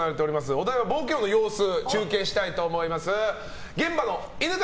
お台場冒険王の様子を中継したいと思います。